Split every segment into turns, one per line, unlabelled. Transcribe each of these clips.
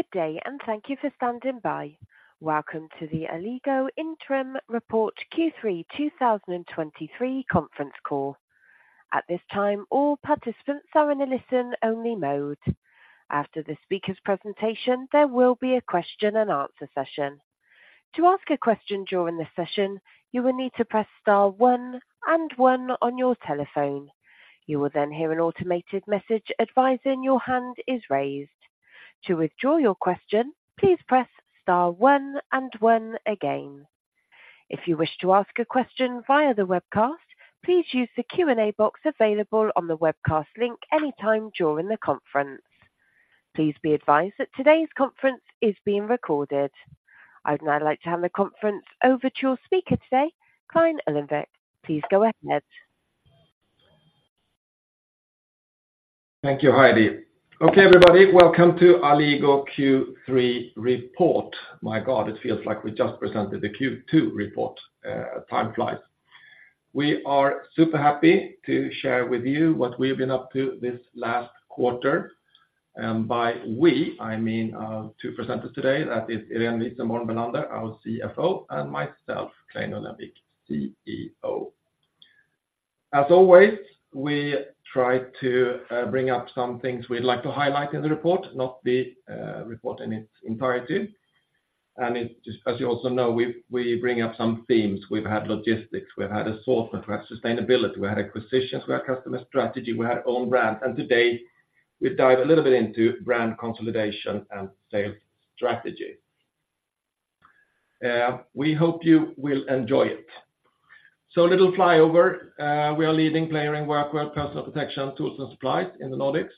Good day, and thank you for standing by. Welcome to the Alligo Interim Report Q3 2023 conference call. At this time, all participants are in a listen-only mode. After the speaker's presentation, there will be a question and answer session. To ask a question during the session, you will need to press star one and one on your telephone. You will then hear an automated message advising your hand is raised. To withdraw your question, please press star one and one again. If you wish to ask a question via the webcast, please use the Q&A box available on the webcast link anytime during the conference. Please be advised that today's conference is being recorded. I'd now like to hand the conference over to your speaker today, Clein Johansson Ullenvik. Please go ahead.
Thank you, Heidi. Okay, everybody, welcome to Alligo Q3 report. My God, it feels like we just presented the Q2 report, time flies. We are super happy to share with you what we've been up to this last quarter. And by we, I mean, two presenters today, that is Irene Wisenborn Bellander, our CFO, and myself, Clein Johansson Ullenvik, CEO. As always, we try to, bring up some things we'd like to highlight in the report, not the, report in its entirety. And as you also know, we bring up some themes. We've had logistics, we've had assortment, we've had sustainability, we had acquisitions, we had customer strategy, we had own brand, and today we dive a little bit into brand consolidation and sales strategy. We hope you will enjoy it. So a little flyover, we are a leading player in workwear, personal protection, tools, and supplies in the Nordics.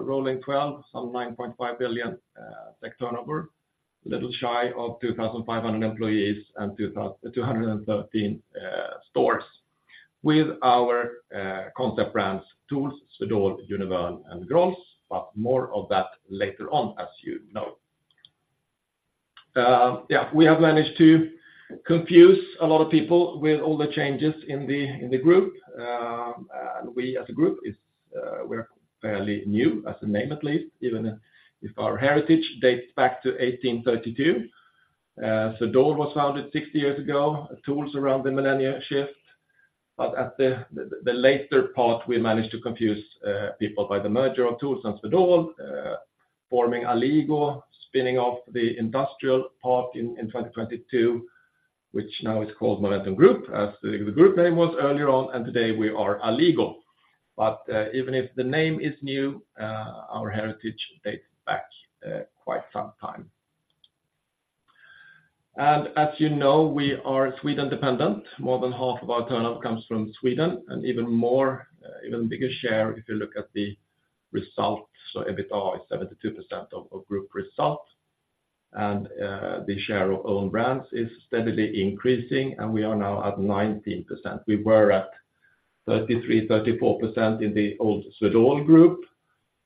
Rolling twelve, some 9.5 billion turnover, a little shy of 2,500 employees and 213 stores with our concept brands, TOOLS, Swedol, Univern, and Grolls, but more of that later on, as you know. Yeah, we have managed to confuse a lot of people with all the changes in the group. And we as a group is, we're fairly new, as a name, at least, even if our heritage dates back to 1832. Swedol was founded 60 years ago, TOOLS around the millennium shift. But at the later part, we managed to confuse people by the merger of TOOLS and Swedol forming Alligo, spinning off the industrial parts in 2022, which now is called Momentum Group, as the group name was earlier on, and today we are Alligo. But even if the name is new, our heritage dates back quite some time. As you know, we are Sweden-dependent. More than half of our turnover comes from Sweden, and even more, even bigger share, if you look at the results. EBITDA is 72% of group results, and the share of own brands is steadily increasing, and we are now at 19%. We were at 33%-34% in the old Swedol group.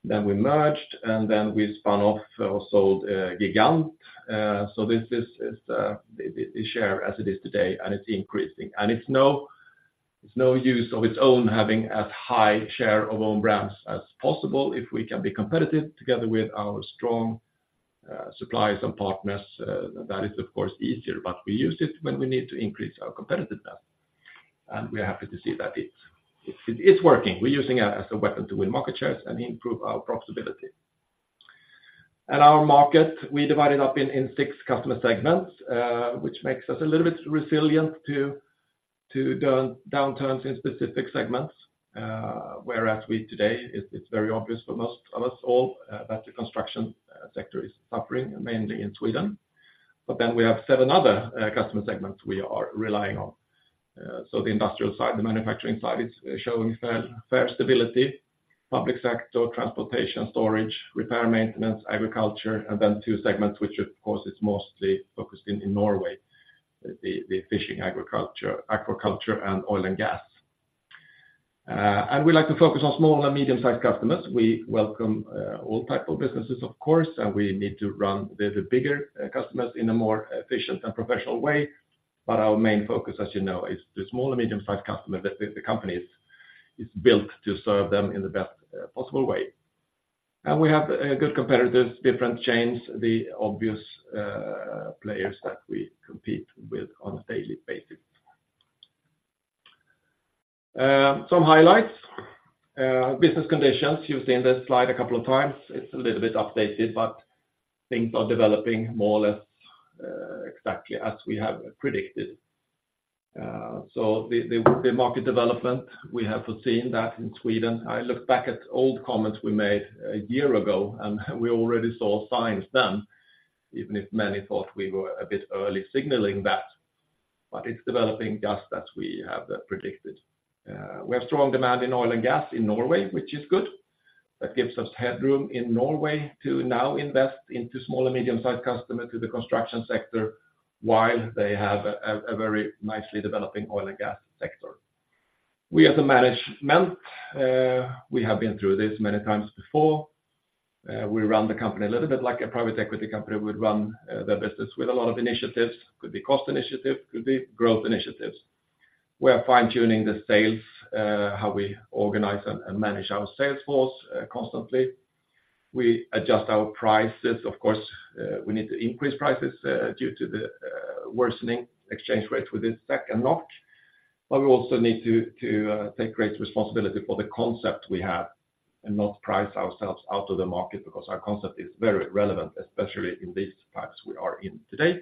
Then we merged, and then we spun off or sold Gigant. So this is the share as it is today, and it's increasing. It's no use of its own having as high share of own brands as possible. If we can be competitive together with our strong suppliers and partners, that is, of course, easier, but we use it when we need to increase our competitiveness, and we are happy to see that it's working. We're using it as a weapon to win market shares and improve our profitability. Our market, we divide it up in six customer segments, which makes us a little bit resilient to downturns in specific segments. Whereas we today, it's very obvious for most of us all that the construction sector is suffering, mainly in Sweden. But then we have seven other customer segments we are relying on. So the industrial side, the manufacturing side, is showing fair stability: public sector, transportation, storage, repair, maintenance, agriculture, and then two segments, which, of course, is mostly focused in Norway, the fishing, agriculture, aquaculture, and oil and gas. And we like to focus on small and medium-sized customers. We welcome all type of businesses, of course, and we need to run the bigger customers in a more efficient and professional way. But our main focus, as you know, is the small and medium-sized customer. The company is built to serve them in the best possible way. And we have good competitors, different chains, the obvious players that we compete with on a daily basis. Some highlights, business conditions. You've seen this slide a couple of times. It's a little bit outdated, but things are developing more or less exactly as we have predicted. So the market development, we have foreseen that in Sweden. I look back at old comments we made a year ago, and we already saw signs then, even if many thought we were a bit early signaling that, but it's developing just as we have predicted. We have strong demand in oil and gas in Norway, which is good. That gives us headroom in Norway to now invest into small and medium-sized customers in the construction sector while they have a very nicely developing oil and gas sector. We as a management, we have been through this many times before. We run the company a little bit like a private equity company would run their business with a lot of initiatives. Could be cost initiatives, could be growth initiatives. We are fine-tuning the sales, how we organize and, and manage our sales force, constantly. We adjust our prices. Of course, we need to increase prices due to the worsening exchange rate with the SEK and NOK. But we also need to, to, take great responsibility for the concept we have and not price ourselves out of the market, because our concept is very relevant, especially in these times we are in today.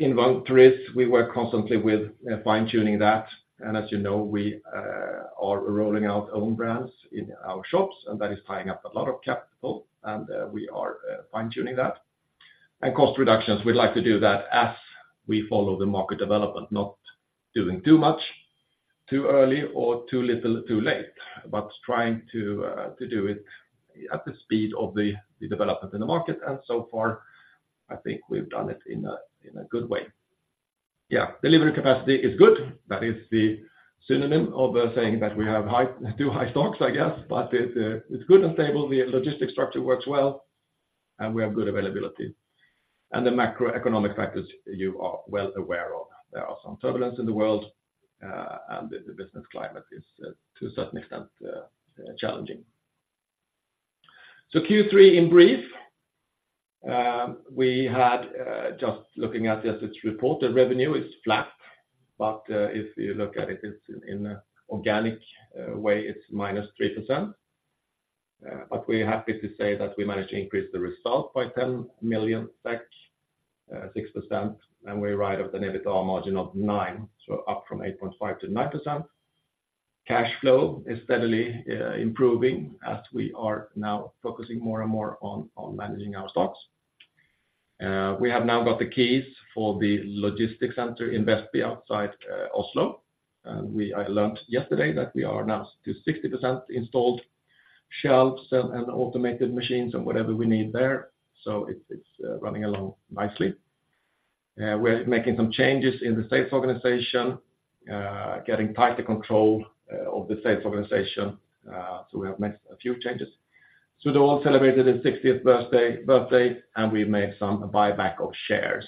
Inventories, we work constantly with fine-tuning that, and as you know, we are rolling out own brands in our shops, and that is tying up a lot of capital, and we are fine-tuning that. Cost reductions, we'd like to do that as we follow the market development, not doing too much, too early, or too little, too late, but trying to do it at the speed of the development in the market, and so far, I think we've done it in a good way. Yeah, delivery capacity is good. That is the synonym of saying that we have high, too high stocks, I guess, but it's good and stable. The logistics structure works well, and we have good availability. And the macroeconomic factors, you are well aware of. There are some turbulence in the world, and the business climate is, to a certain extent, challenging. So Q3, in brief, we had just looking at the as-reported revenue, it's flat, but if you look at it, it's in an organic way, it's -3%. But we're happy to say that we managed to increase the result by 10 million SEK, 6%, and we're right at an EBITDA margin of 9%, so up from 8.5% to 9%. Cash flow is steadily improving as we are now focusing more and more on managing our stocks. We have now got the keys for the logistics center in Vestby outside Oslo, and I learned yesterday that we are now to 60% installed shelves and automated machines and whatever we need there, so it's running along nicely. We're making some changes in the sales organization, getting tighter control of the sales organization, so we have made a few changes. So they all celebrated the sixtieth birthday, and we've made some buyback of shares.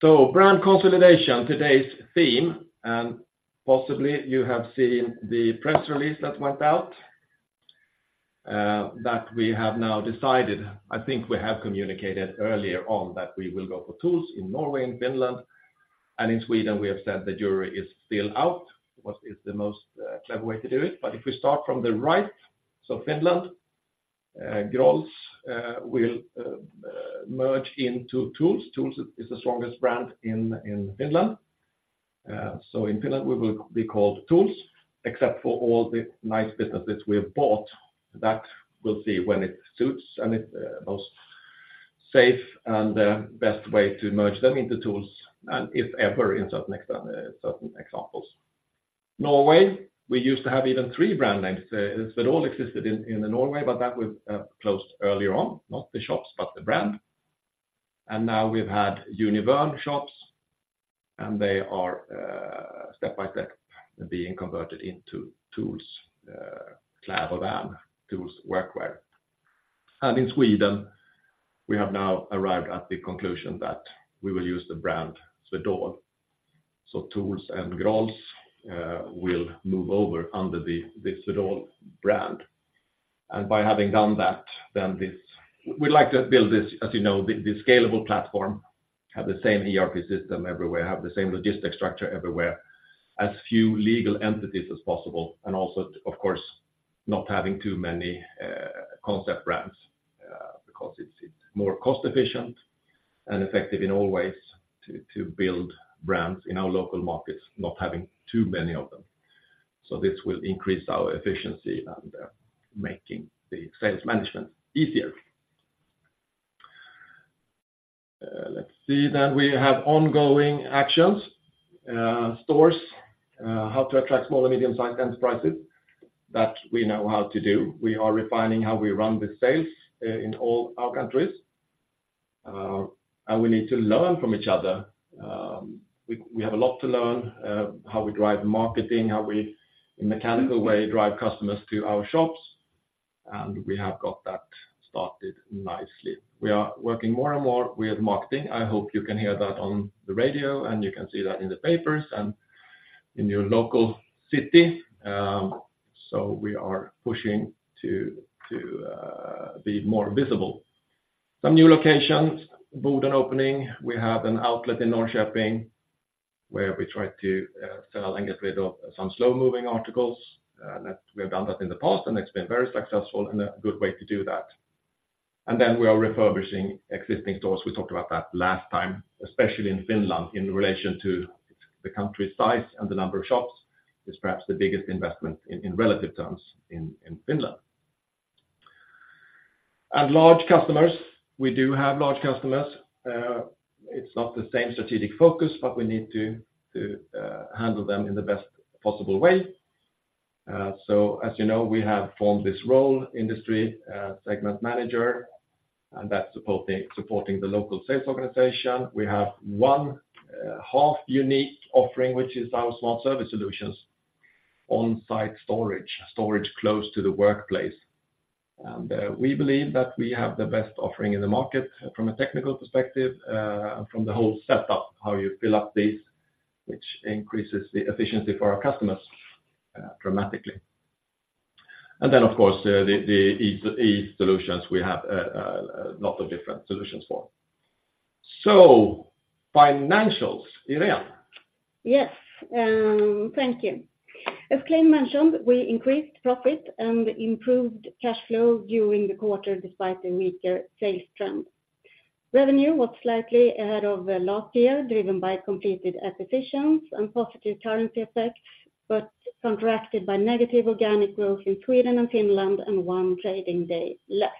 So brand consolidation, today's theme, and possibly you have seen the press release that went out, that we have now decided... I think we have communicated earlier on that we will go for TOOLS in Norway and Finland, and in Sweden, we have said the jury is still out. What is the most clever way to do it? But if we start from the right, so Finland, Grolls, will merge into TOOLS. TOOLS is the strongest brand in Finland. So in Finland, we will be called TOOLS, except for all the nice businesses we have bought. That we'll see when it suits, and it most safe and best way to merge them into TOOLS, and if ever, in certain examples. Norway, we used to have even three brand names. Swedol existed in Norway, but that was closed earlier on, not the shops, but the brand. And now we've had Univarn shops, and they are step by step being converted into TOOLS, even TOOLS workwear. And in Sweden, we have now arrived at the conclusion that we will use the brand Swedol. So TOOLS and Grolls will move over under the Swedol brand. By having done that, then this—we'd like to build this, as you know, the scalable platform, have the same ERP system everywhere, have the same logistic structure everywhere, as few legal entities as possible, and also, of course, not having too many concept brands, because it's more cost efficient and effective in all ways to build brands in our local markets, not having too many of them. So this will increase our efficiency and making the sales management easier. Let's see, then we have ongoing actions, stores, how to attract small and medium-sized enterprises. That we know how to do. We are refining how we run the sales in all our countries, and we need to learn from each other. We have a lot to learn how we drive marketing, how we in mechanical way drive customers to our shops, and we have got that started nicely. We are working more and more with marketing. I hope you can hear that on the radio, and you can see that in the papers and in your local city. So we are pushing to be more visible. Some new locations, Boden opening. We have an outlet in Norrköping, where we try to sell and get rid of some slow-moving articles. That we have done that in the past, and it's been very successful and a good way to do that. And then we are refurbishing existing stores. We talked about that last time, especially in Finland, in relation to the country size and the number of shops, is perhaps the biggest investment in relative terms in Finland. And large customers, we do have large customers. It's not the same strategic focus, but we need to handle them in the best possible way. So as you know, we have formed this role, industry segment manager, and that's supporting the local sales organization. We have one half unique offering, which is our small service solutions, on-site storage, storage close to the workplace.... And we believe that we have the best offering in the market from a technical perspective, from the whole setup, how you fill up this, which increases the efficiency for our customers dramatically. And then, of course, the PPE solutions, we have a lot of different solutions for. So financials, Irene?
Yes, thank you. As Clein mentioned, we increased profit and improved cash flow during the quarter, despite the weaker sales trend. Revenue was slightly ahead of last year, driven by completed acquisitions and positive currency effects, but contracted by negative organic growth in Sweden and Finland, and one trading day less.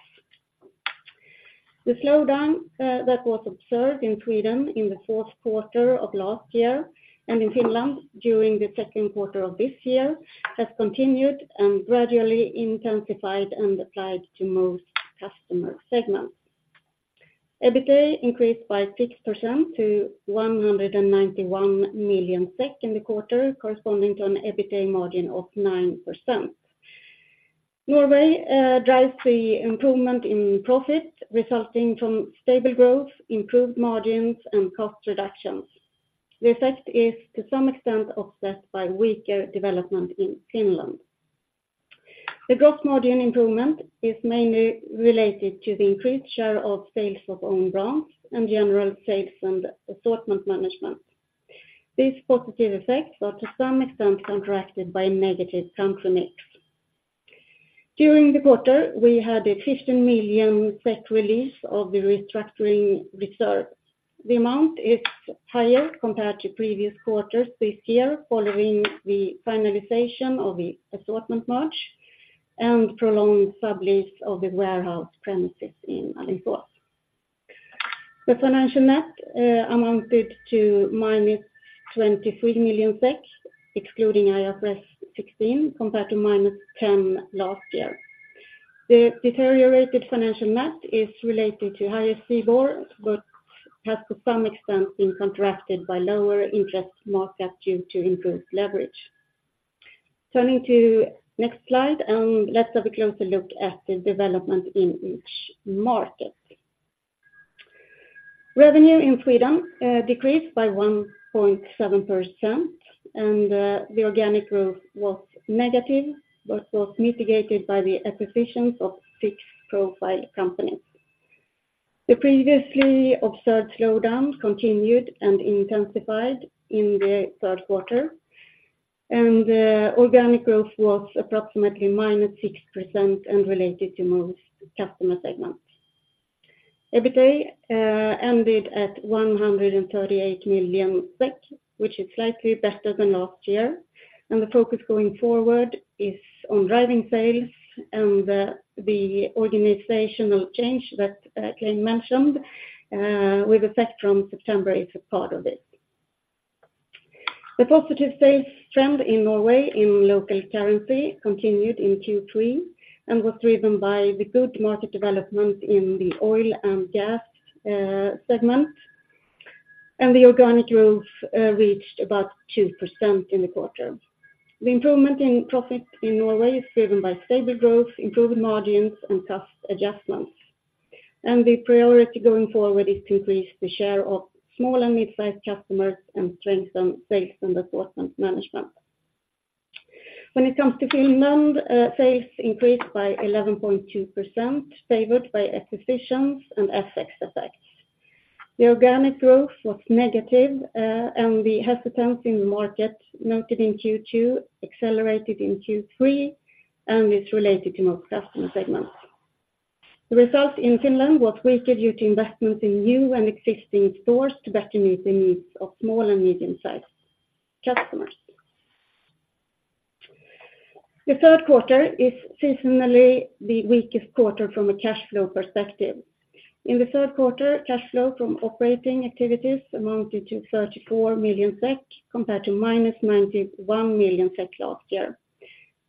The slowdown that was observed in Sweden in the fourth quarter of last year, and in Finland during the second quarter of this year, has continued and gradually intensified and applied to most customer segments. EBITDA increased by 6% to 191 million SEK in the quarter, corresponding to an EBITDA margin of 9%. Norway drives the improvement in profit, resulting from stable growth, improved margins, and cost reductions. The effect is, to some extent, offset by weaker development in Finland. The gross margin improvement is mainly related to the increased share of sales of own brands and general sales and assortment management. These positive effects are, to some extent, contracted by negative country mix. During the quarter, we had a 15 million SEK release of the restructuring reserve. The amount is higher compared to previous quarters this year, following the finalization of the assortment merge and prolonged sublease of the warehouse premises in Alingsås. The financial net amounted to -23 million SEK, excluding IFRS 16, compared to -10 million SEK last year. The deteriorated financial net is related to higher CIBOR, but has, to some extent, been contracted by lower interest market due to improved leverage. Turning to next slide, and let's have a closer look at the development in each market. Revenue in Sweden decreased by 1.7%, and the organic growth was negative, but was mitigated by the acquisitions of six profile companies. The previously observed slowdown continued and intensified in the third quarter, and organic growth was approximately -6% and related to most customer segments. EBITDA ended at 138 million SEK, which is slightly better than last year, and the focus going forward is on driving sales and the organizational change that Clein mentioned with effect from September is a part of it. The positive sales trend in Norway in local currency continued in Q3 and was driven by the good market development in the oil and gas segment, and the organic growth reached about 2% in the quarter. The improvement in profit in Norway is driven by stable growth, improved margins, and cost adjustments. The priority going forward is to increase the share of small and mid-sized customers and strengthen sales and assortment management. When it comes to Finland, sales increased by 11.2%, favored by acquisitions and FX effects. The organic growth was negative, and the hesitance in the market noted in Q2 accelerated in Q3, and it's related to most customer segments. The results in Finland was weaker due to investments in new and existing stores to better meet the needs of small and medium-sized customers. The third quarter is seasonally the weakest quarter from a cash flow perspective. In the third quarter, cash flow from operating activities amounted to 34 million SEK, compared to -91 million SEK last year.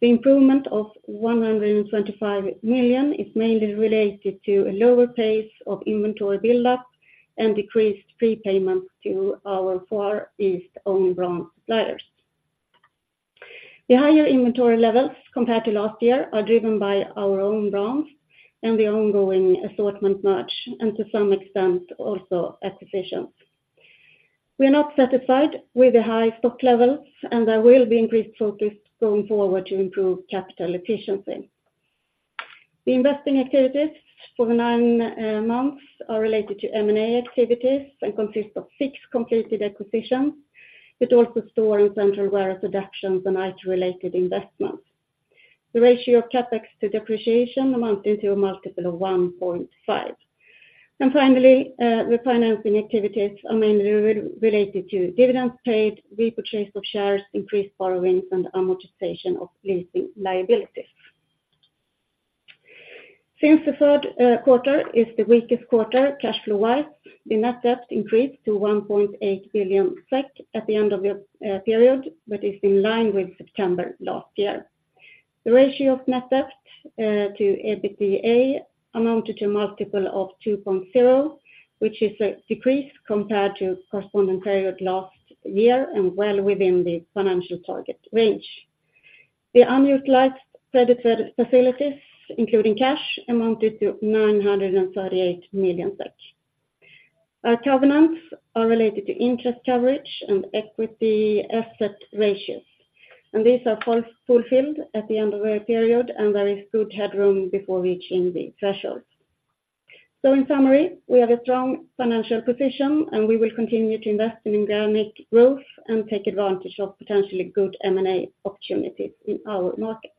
The improvement of 125 million is mainly related to a lower pace of inventory buildup and decreased prepayments to our Far East own brand suppliers. The higher inventory levels compared to last year are driven by our own brands and the ongoing assortment merge, and to some extent, also acquisitions. We are not satisfied with the high stock levels, and there will be increased focus going forward to improve capital efficiency. The investing activities for the nine months are related to M&A activities and consist of six completed acquisitions, but also store and central warehouse reductions and IT-related investments. The ratio of CapEx to depreciation amounted to a multiple of 1.5. Finally, the financing activities are mainly related to dividends paid, repurchase of shares, increased borrowings, and amortization of leasing liabilities. Since the third quarter is the weakest quarter, cash flow-wise, the net debt increased to 1.8 billion SEK at the end of the period, but is in line with September last year. The ratio of net debt to EBITDA amounted to a multiple of 2.0, which is a decrease compared to corresponding period last year, and well within the financial target range. The unutilized credited facilities, including cash, amounted to 938 million SEK. Our covenants are related to interest coverage and equity asset ratios, and these are fulfilled at the end of our period, and there is good headroom before reaching the thresholds. So in summary, we have a strong financial position, and we will continue to invest in organic growth and take advantage of potentially good M&A opportunities in our market.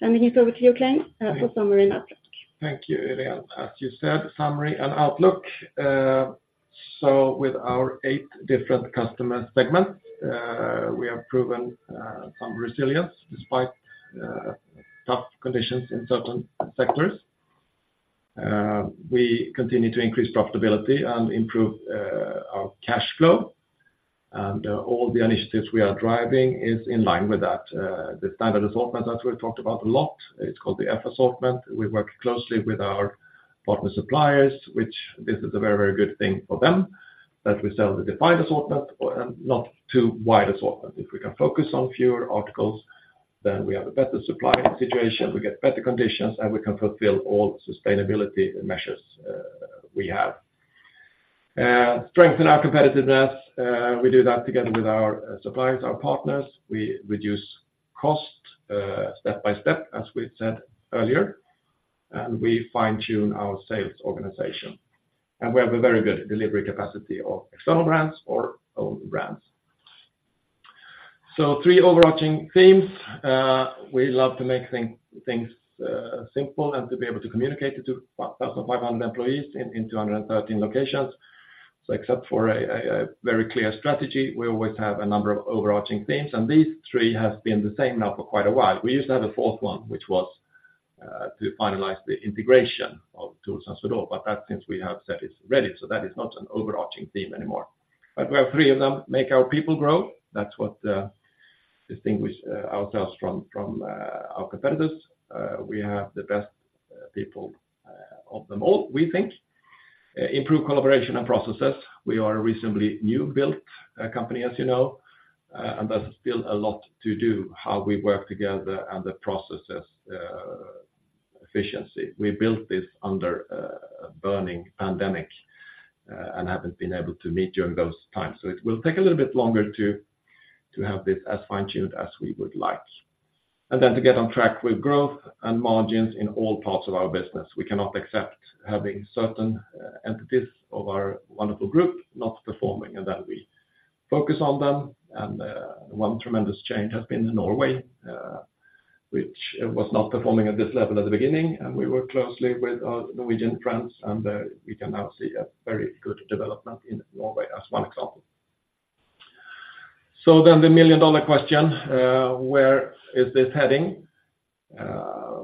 Handing it over to you, Clein, for summary and outlook.
Thank you, Irene. As you said, summary and outlook. So with our eight different customer segments, we have proven some resilience despite tough conditions in certain sectors. We continue to increase profitability and improve our cash flow, and all the initiatives we are driving is in line with that. The standard assortment, as we've talked about a lot, it's called the F assortment. We work closely with our partner suppliers, which this is a very, very good thing for them, that we sell the defined assortment or, and not too wide assortment. If we can focus on fewer articles, then we have a better supply situation, we get better conditions, and we can fulfill all sustainability measures we have. Strengthen our competitiveness, we do that together with our suppliers, our partners. We reduce cost step by step, as we said earlier, and we fine-tune our sales organization. We have a very good delivery capacity of external brands or own brands. Three overarching themes. We love to make things simple and to be able to communicate to 1,500 employees in 213 locations. Except for a very clear strategy, we always have a number of overarching themes, and these three have been the same now for quite a while. We used to have a fourth one, which was to finalize the integration of TOOLS and Swedol, but that since we have said it's ready, so that is not an overarching theme anymore. But we have three of them, make our people grow. That's what distinguish ourselves from our competitors. We have the best people of them all, we think. Improve collaboration and processes. We are a reasonably new built company, as you know, and there's still a lot to do, how we work together and the processes, efficiency. We built this under a burning pandemic, and haven't been able to meet during those times, so it will take a little bit longer to have this as fine-tuned as we would like. And then to get on track with growth and margins in all parts of our business. We cannot accept having certain entities of our wonderful group not performing, and then we focus on them, and one tremendous change has been Norway, which was not performing at this level at the beginning, and we work closely with our Norwegian friends, and we can now see a very good development in Norway as one example. So then the million-dollar question: where is this heading?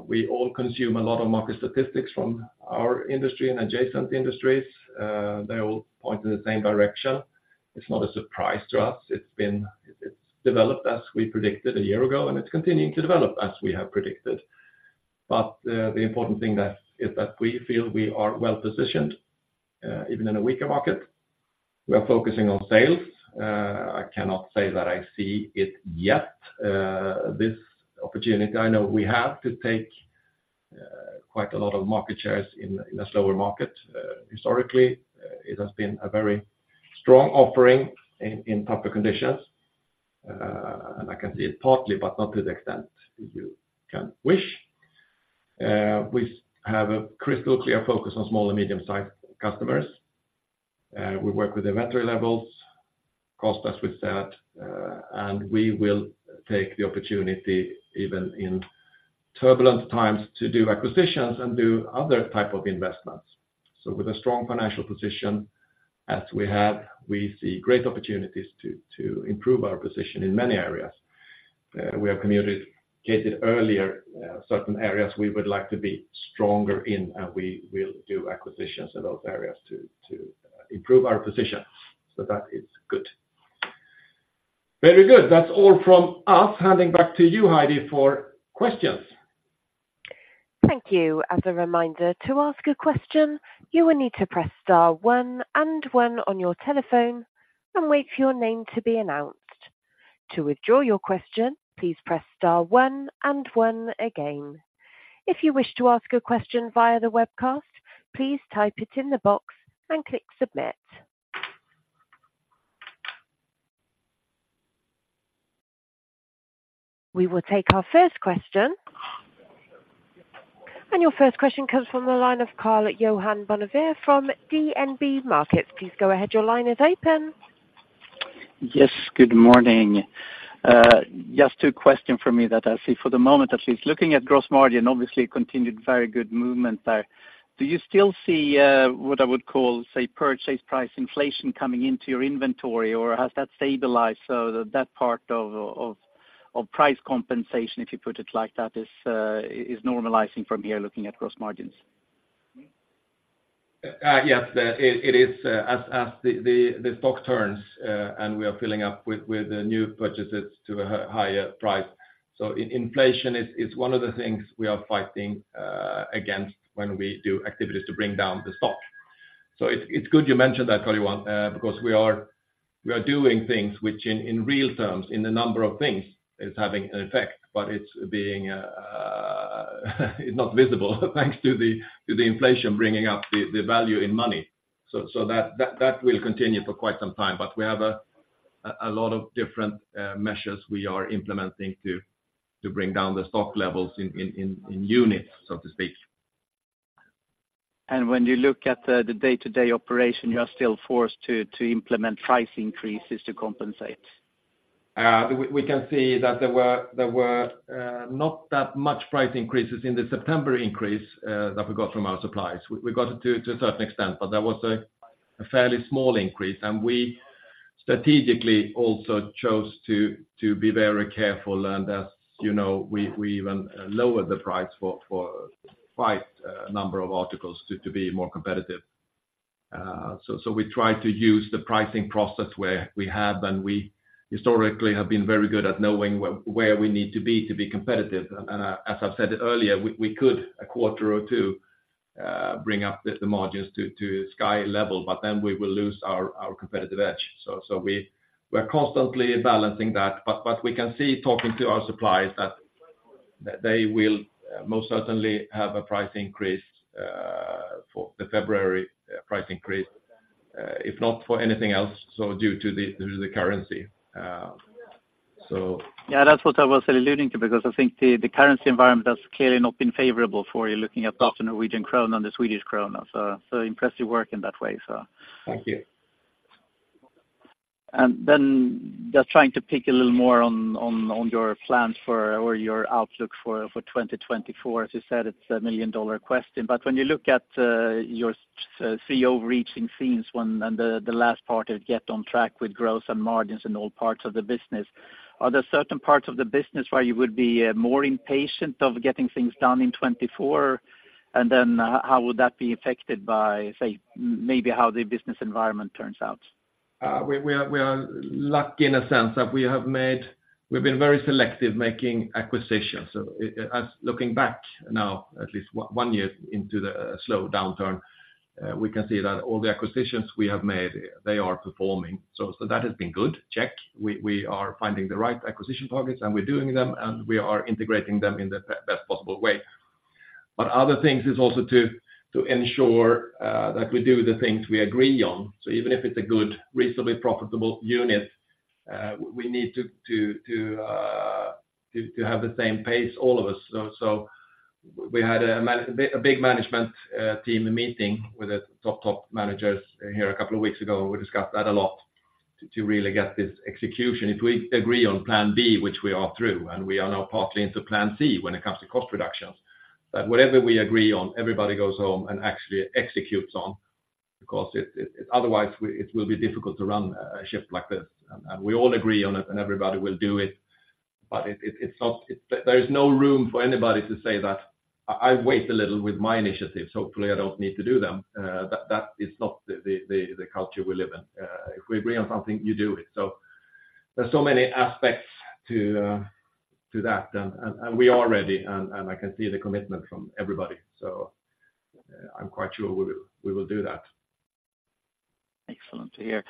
We all consume a lot of market statistics from our industry and adjacent industries. They all point in the same direction. It's not a surprise to us. It's been. It's developed as we predicted a year ago, and it's continuing to develop as we have predicted. But the important thing that is that we feel we are well-positioned even in a weaker market. We are focusing on sales. I cannot say that I see it yet, this opportunity. I know we have to take quite a lot of market shares in a slower market. Historically, it has been a very strong offering in tougher conditions, and I can see it partly, but not to the extent you can wish. We have a crystal clear focus on small and medium-sized customers. We work with inventory levels, cost, as we said, and we will take the opportunity, even in turbulent times, to do acquisitions and do other type of investments. So with a strong financial position, as we have, we see great opportunities to improve our position in many areas. We have communicated earlier, certain areas we would like to be stronger in, and we will do acquisitions in those areas to improve our position. That is good. Very good. That's all from us. Handing back to you, Heidi, for questions.
Thank you. As a reminder, to ask a question, you will need to press star one and one on your telephone and wait for your name to be announced. To withdraw your question, please press star one and one again. If you wish to ask a question via the webcast, please type it in the box and click submit. We will take our first question. Your first question comes from the line of Karl-Johan Bonnevier from DNB Markets. Please go ahead. Your line is open.
Yes, good morning. Just two question from me that I see for the moment, at least. Looking at gross margin, obviously continued very good movement there. Do you still see what I would call, say, purchase price inflation coming into your inventory, or has that stabilized so that that part of price compensation, if you put it like that, is normalizing from here, looking at gross margins?
Yes, it is, as the stock turns, and we are filling up with the new purchases to a higher price. So inflation is one of the things we are fighting against when we do activities to bring down the stock. So it's good you mentioned that, Karl-Johan, because we are doing things which in real terms, in a number of things, is having an effect, but it's being... It's not visible, thanks to the inflation bringing up the value in money. So that will continue for quite some time, but we have a lot of different measures we are implementing to bring down the stock levels in units, so to speak.
When you look at the day-to-day operation, you are still forced to implement price increases to compensate?
We can see that there were not that much price increases in the September increase that we got from our suppliers. We got it to a certain extent, but that was a fairly small increase, and we strategically also chose to be very careful. And as you know, we even lowered the price for quite a number of articles to be more competitive. So we try to use the pricing process where we have, and we historically have been very good at knowing where we need to be to be competitive. And as I've said it earlier, we could, a quarter or two, bring up the margins to sky level, but then we will lose our competitive edge. So we're constantly balancing that. We can see, talking to our suppliers, that they will most certainly have a price increase for the February price increase, if not for anything else, so due to the currency. So-
Yeah, that's what I was alluding to, because I think the currency environment has clearly not been favorable for you, looking at the Norwegian krone and the Swedish krona. So, impressive work in that way.
Thank you.
Then just trying to pick a little more on your plans for or your outlook for 2024. As you said, it's a million-dollar question, but when you look at your CEO reaching scenes when, and the last part is get on track with growth and margins in all parts of the business, are there certain parts of the business where you would be more impatient of getting things done in 2024? And then how would that be affected by, say, maybe how the business environment turns out?
We are lucky in a sense that we have made-- We've been very selective making acquisitions. So as looking back now, at least one year into the slow downturn, we can see that all the acquisitions we have made, they are performing. So that has been good. Check. We are finding the right acquisition targets, and we're doing them, and we are integrating them in the best possible way. But other things is also to ensure that we do the things we agree on. So even if it's a good, reasonably profitable unit, we need to have the same pace, all of us. So we had a big management team meeting with the top managers here a couple of weeks ago. We discussed that a lot to really get this execution. If we agree on plan B, which we are through, and we are now partly into plan C when it comes to cost reductions, that whatever we agree on, everybody goes home and actually executes on. Because otherwise, it will be difficult to run a ship like this. We all agree on it, and everybody will do it. But it's not. There is no room for anybody to say that I wait a little with my initiatives, hopefully I don't need to do them. That is not the culture we live in. If we agree on something, you do it. So there's so many aspects to that, and we are ready, and I can see the commitment from everybody. So, I'm quite sure we will, we will do that.
Excellent to hear.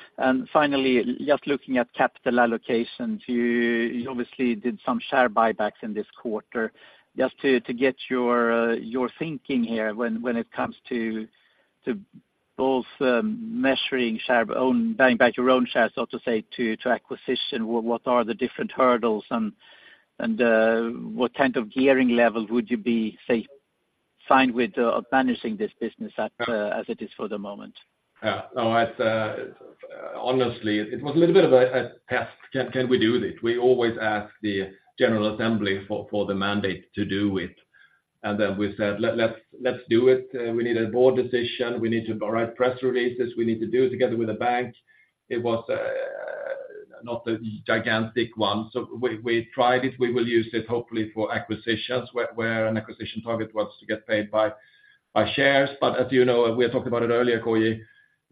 Finally, just looking at capital allocations, you obviously did some share buybacks in this quarter. Just to get your thinking here, when it comes to both buying back your own shares, so to say, to acquisition, what are the different hurdles, and what kind of gearing level would you be, say, fine with managing this business at, as it is for the moment?
Yeah. No, it's honestly it was a little bit of a test. Can we do this? We always ask the general assembly for the mandate to do it, and then we said, "Let's do it. We need a board decision. We need to write press releases. We need to do it together with a bank." It was not a gigantic one, so we tried it. We will use it hopefully for acquisitions, where an acquisition target was to get paid by shares. But as you know, and we had talked about it earlier, K-J,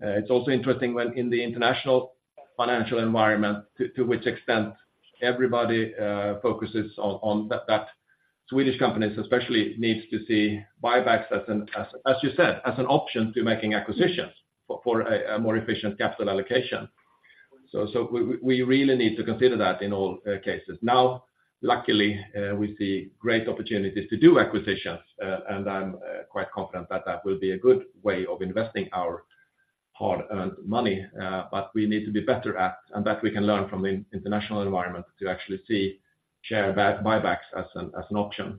it's also interesting, in the international financial environment, to which extent everybody focuses on that Swedish companies especially needs to see buybacks as an, as you said, as an option to making acquisitions for a more efficient capital allocation. So we really need to consider that in all cases. Now, luckily, we see great opportunities to do acquisitions, and I'm quite confident that that will be a good way of investing our hard-earned money, but we need to be better at, and that we can learn from the international environment, to actually see share buybacks as an option.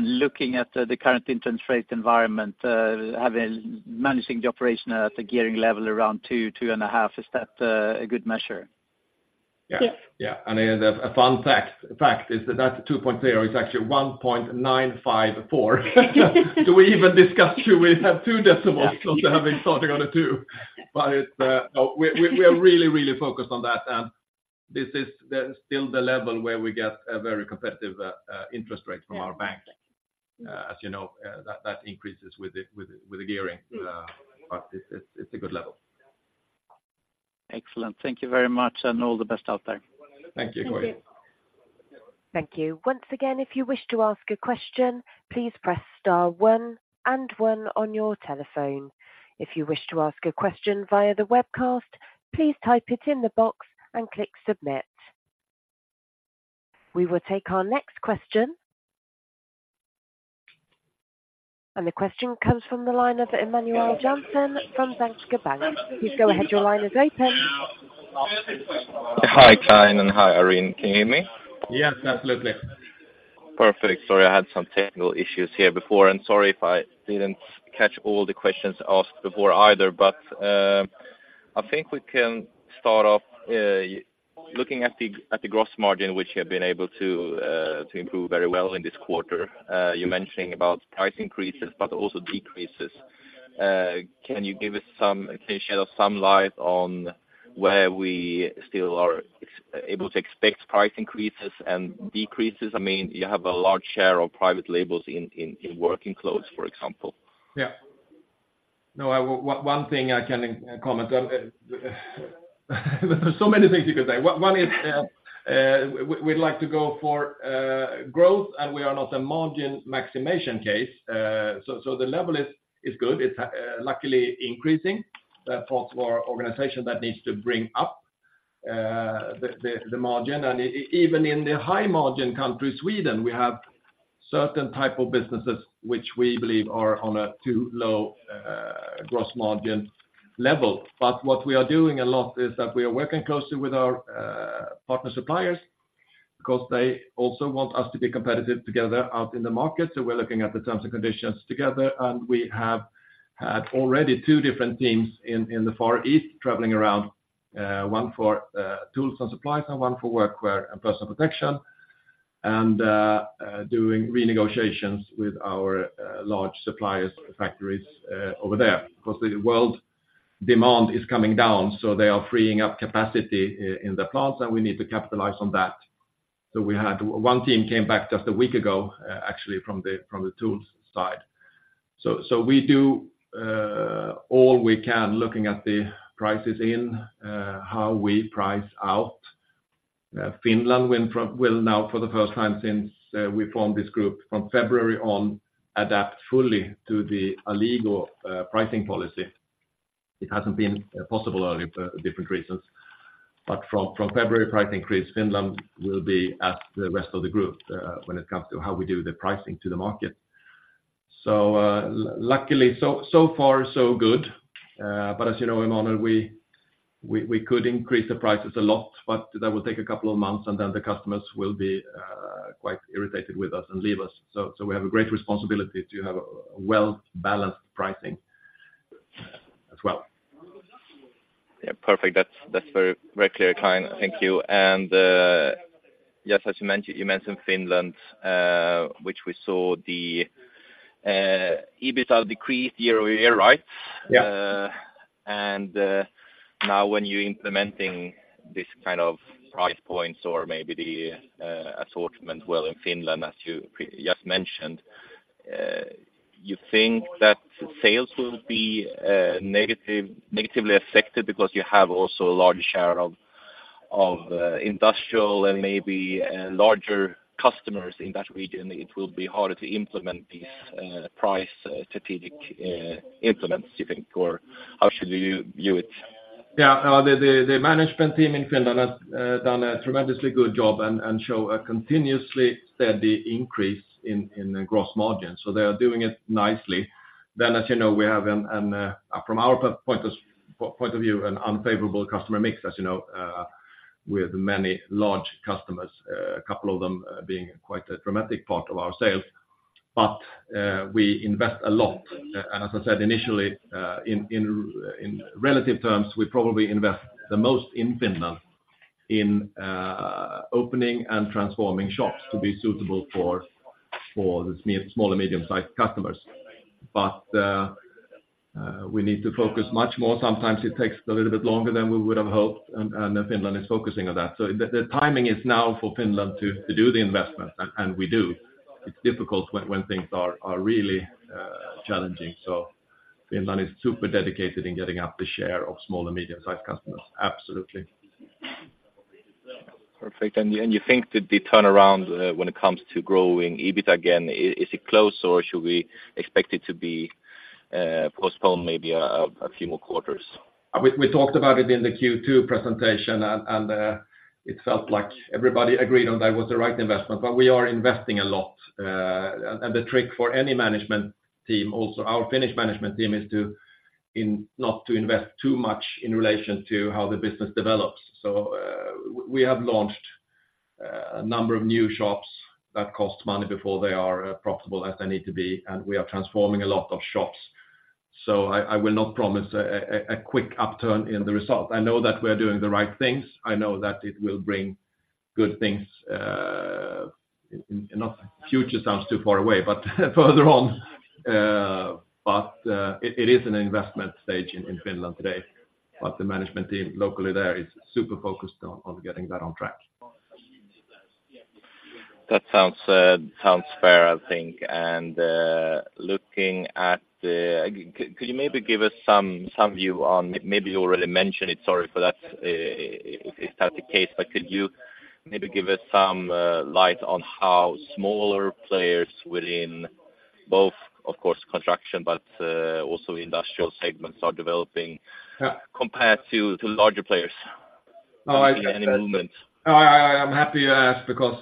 Looking at the current interest rate environment, having managing the operation at a gearing level around 2-2.5, is that a good measure?
Yes.
Yes.
Yeah, and a fun fact is that 2.0 is actually 1.954. Do we even discuss should we have two decimals also having starting on a two? But it's. We are really focused on that, and this is still the level where we get a very competitive interest rate from our bank.
Yes.
As you know, that increases with the gearing.
Mm-hmm.
But it's a good level.
Excellent. Thank you very much, and all the best out there.
Thank you, Koji.
Thank you. Thank you. Once again, if you wish to ask a question, please press star one and one on your telephone. If you wish to ask a question via the webcast, please type it in the box and click submit. We will take our next question... The question comes from the line of Emanuel Jansson from Danske Bank. Please go ahead, your line is open.
Hi, Clein, and hi, Irene. Can you hear me?
Yes, absolutely.
Perfect. Sorry, I had some technical issues here before, and sorry if I didn't catch all the questions asked before either, but I think we can start off looking at the gross margin, which you have been able to improve very well in this quarter. You're mentioning about price increases, but also decreases. Can you shed some light on where we still are able to expect price increases and decreases? I mean, you have a large share of private labels in working clothes, for example.
Yeah. No, one thing I can comment on, there's so many things you could say. One is, we'd like to go for growth, and we are not a margin maximization case. So the level is good. It's luckily increasing for our organization that needs to bring up the margin. And even in the high-margin country, Sweden, we have certain type of businesses which we believe are on a too low gross margin level. But what we are doing a lot is that we are working closely with our partner suppliers, because they also want us to be competitive together out in the market. So we're looking at the terms and conditions together, and we have had already two different teams in the Far East traveling around, one for tools and supplies and one for workwear and personal protection, and doing renegotiations with our large suppliers, factories over there. Because the world demand is coming down, so they are freeing up capacity in the plants, and we need to capitalize on that. So we had one team came back just a week ago, actually from the tools side. So we do all we can, looking at the prices in how we price out. Finland will now, for the first time since we formed this group, from February on, adapt fully to the Alligo pricing policy. It hasn't been possible earlier for different reasons, but from February price increase, Finland will be at the rest of the group when it comes to how we do the pricing to the market. So luckily, so far so good. But as you know, Emanuel, we could increase the prices a lot, but that will take a couple of months, and then the customers will be quite irritated with us and leave us. So we have a great responsibility to have a well-balanced pricing as well.
Yeah, perfect. That's, that's very, very clear, Clein. Thank you. Yes, as you mentioned, you mentioned Finland, which we saw the EBITDA decrease year-over-year, right?
Yeah.
now, when you're implementing this kind of price points or maybe the assortment well in Finland, as you previously just mentioned, you think that sales will be negatively affected because you have also a large share of industrial and maybe larger customers in that region, it will be harder to implement these price strategic implements, do you think? Or how should we view it?
Yeah, the management team in Finland has done a tremendously good job and show a continuously steady increase in the gross margin, so they are doing it nicely. Then, as you know, we have, from our point of view, an unfavorable customer mix, as you know, with many large customers, a couple of them being quite a dramatic part of our sales. But we invest a lot, and as I said initially, in relative terms, we probably invest the most in Finland in opening and transforming shops to be suitable for the small and medium-sized customers. But we need to focus much more. Sometimes it takes a little bit longer than we would have hoped, and Finland is focusing on that. So the timing is now for Finland to do the investment, and we do. It's difficult when things are really challenging. So Finland is super dedicated in getting up the share of small and medium-sized customers. Absolutely.
Perfect. And you think that the turnaround, when it comes to growing EBIT again, is it close, or should we expect it to be postponed maybe a few more quarters?
We talked about it in the Q2 presentation, and it felt like everybody agreed that that was the right investment. But we are investing a lot, and the trick for any management team, also our Finnish management team, is not to invest too much in relation to how the business develops. We have launched a number of new shops that cost money before they are profitable as they need to be, and we are transforming a lot of shops. I will not promise a quick upturn in the result. I know that we are doing the right things. I know that it will bring good things in the future, but the future sounds too far away, further on. But it is an investment stage in Finland today, but the management team locally there is super focused on getting that on track.
That sounds fair, I think. Looking at the... Could you maybe give us some view on, maybe you already mentioned it, sorry for that, if that's the case. But could you maybe give us some light on how smaller players within both, of course, construction, but also industrial segments are developing-
Yeah...
compared to larger players?...
Oh, I'm happy you asked because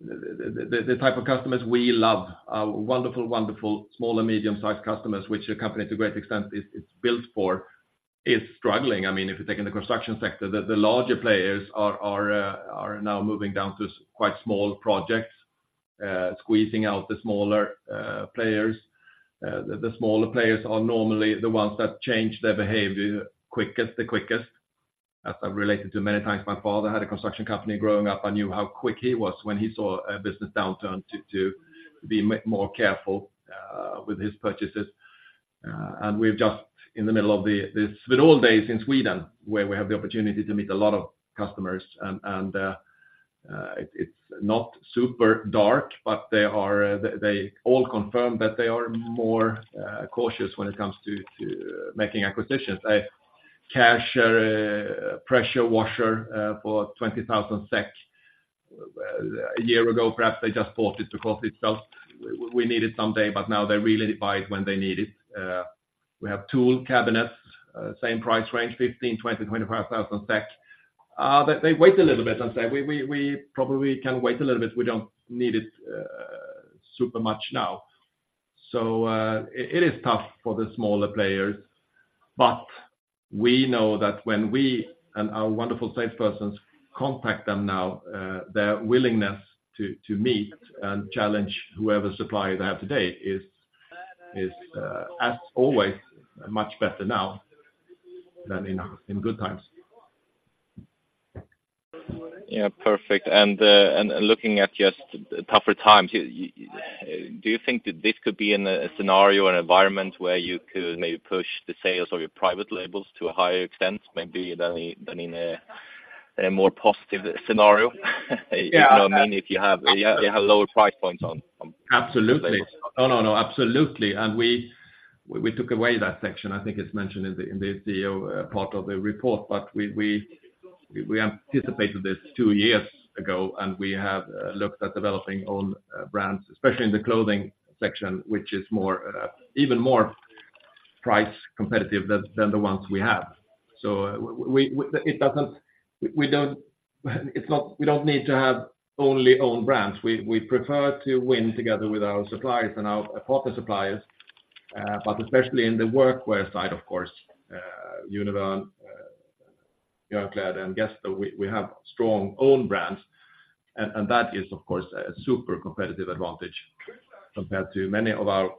the type of customers we love, our wonderful, wonderful small and medium-sized customers, which the company to a great extent is built for, is struggling. I mean, if you take in the construction sector, the larger players are now moving down to quite small projects, squeezing out the smaller players. The smaller players are normally the ones that change their behavior quickest, the quickest. As I've related to many times, my father had a construction company growing up. I knew how quick he was when he saw a business downturn to be more careful with his purchases. And we've just in the middle of the mid-autumn days in Sweden, where we have the opportunity to meet a lot of customers, and it's not super dark, but they all confirm that they are more cautious when it comes to making acquisitions. A Kärcher pressure washer for 20,000 SEK a year ago, perhaps they just bought it because it felt we need it someday, but now they really buy it when they need it. We have tool cabinets, same price range, 15,000 SEK-25,000 SEK. They wait a little bit and say, "We probably can wait a little bit. We don't need it super much now. So, it is tough for the smaller players, but we know that when we and our wonderful salespersons contact them now, their willingness to meet and challenge whoever supplier they have today is, as always, much better now than in good times.
Yeah, perfect. And looking at just tougher times, you... Do you think that this could be in a scenario or environment where you could maybe push the sales of your private labels to a higher extent, maybe than in a more positive scenario?
Yeah.
You know what I mean, if you have lower price points on, on-
Absolutely. No, no, no, absolutely. And we took away that section. I think it's mentioned in the CEO part of the report, but we anticipated this two years ago, and we have looked at developing own brands, especially in the clothing section, which is even more price competitive than the ones we have. So, it doesn't. We don't. It's not. We don't need to have only own brands. We prefer to win together with our suppliers and our partner suppliers, but especially in the workwear side, of course, Univern, Björnkläder and Gesto, we have strong own brands, and that is, of course, a super competitive advantage compared to many of our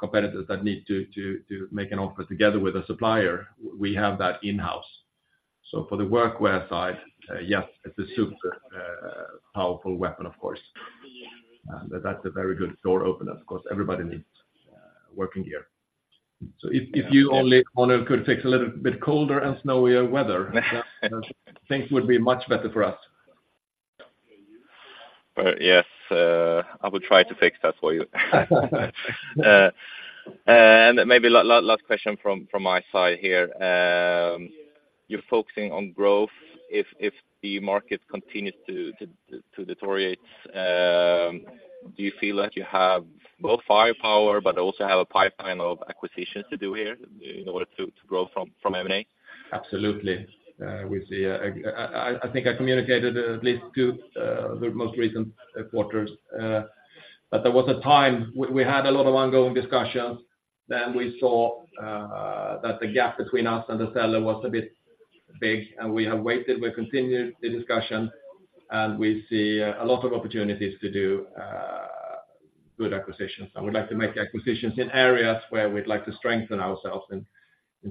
competitors that need to make an offer together with a supplier. We have that in-house. So for the workwear side, yes, it's a super, powerful weapon, of course. And that's a very good door opener, because everybody needs, working gear. So if, if you only, only could take a little bit colder and snowier weather, things would be much better for us.
Well, yes, I will try to fix that for you. And maybe last question from my side here. You're focusing on growth. If the market continues to deteriorate, do you feel like you have both firepower but also have a pipeline of acquisitions to do here in order to grow from M&A?
Absolutely. We see, I think I communicated at least two, the most recent quarters, but there was a time we had a lot of ongoing discussions, then we saw that the gap between us and the seller was a bit big, and we have waited. We continued the discussion, and we see a lot of opportunities to do good acquisitions. And we'd like to make acquisitions in areas where we'd like to strengthen ourselves in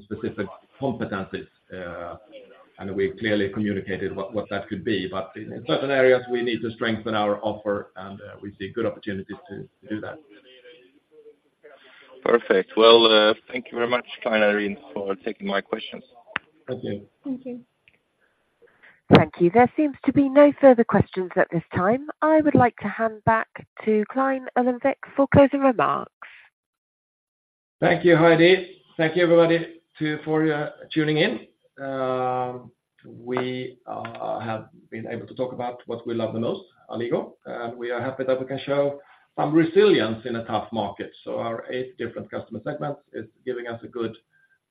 specific competencies, and we clearly communicated what that could be. But in certain areas, we need to strengthen our offer, and we see good opportunities to do that.
Perfect. Well, thank you very much, Clein and Irene, for taking my questions.
Thank you.
Thank you. Thank you. There seems to be no further questions at this time. I would like to hand back to Clein Johansson Ullenvik for closing remarks.
Thank you, Heidi. Thank you, everybody, for tuning in. We have been able to talk about what we love the most, Alligo, and we are happy that we can show some resilience in a tough market. So our eight different customer segments is giving us a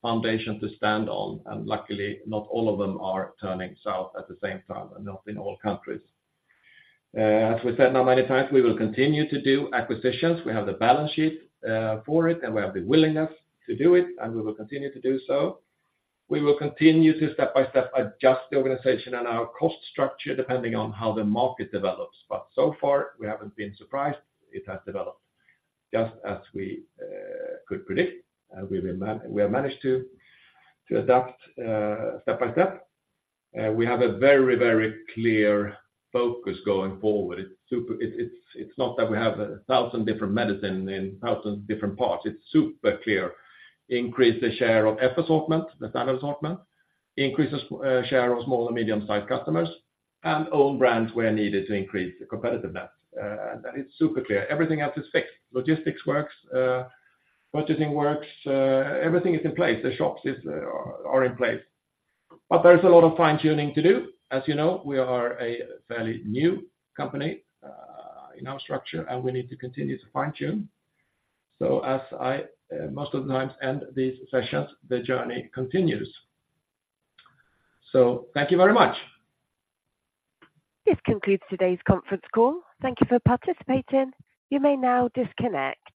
good foundation to stand on, and luckily, not all of them are turning south at the same time, and not in all countries. As we said now many times, we will continue to do acquisitions. We have the balance sheet for it, and we have the willingness to do it, and we will continue to do so. We will continue to step-by-step adjust the organization and our cost structure depending on how the market develops, but so far, we haven't been surprised. It has developed just as we could predict, and we have managed to adapt step-by-step. We have a very, very clear focus going forward. It's super clear: it's not that we have 1,000 different missions in 1,000 different parts. It's super clear: increase the share of F assortment, the standard assortment, increase the share of small and medium-sized customers, and own brands where needed to increase the competitiveness. And that is super clear. Everything else is fixed. Logistics works, purchasing works, everything is in place. The shops are in place. But there is a lot of fine-tuning to do. As you know, we are a fairly new company in our structure, and we need to continue to fine-tune. So as I most of the times end these sessions, the journey continues. Thank you very much.
This concludes today's conference call. Thank you for participating. You may now disconnect.